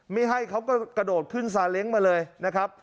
ไม่ให้เขาก็กระโดดขึ้นซาเล้งมาเลยนะครับ